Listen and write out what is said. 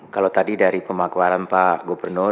kalau tadi dari pemakuan pak gubernur